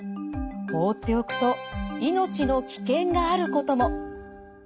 放っておくと命の危険があることも。